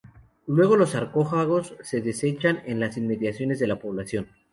Luego los sarcófagos se desechan en las inmediaciones de la población.